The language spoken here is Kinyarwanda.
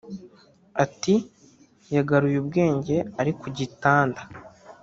Ati “Yagaruye ubwenge ari ku gitanda